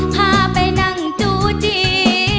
พาไปนั่งจูจี